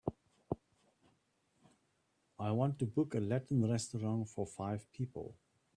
I want to book a latin restaurant for five people.